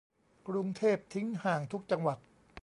กรุงเทพทิ้งห่างทุกจังหวัด